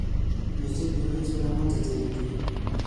موزیک د وریځو له منځه ځلیږي.